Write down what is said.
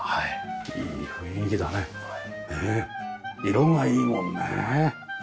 色がいいもんねえ。